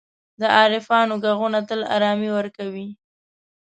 د عارفانو ږغونه تل آرامي ورکوي.